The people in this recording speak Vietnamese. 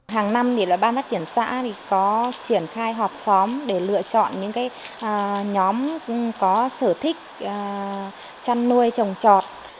hàng năm là ban phát triển xã có triển khai họp xóm để lựa chọn những nhóm có sở thích chăn nuôi trồng trọt